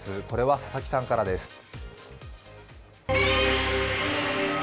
これは佐々木さんからです。